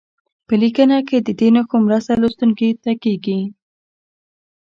په لیکنه کې د دې نښو مرسته لوستونکي ته کیږي.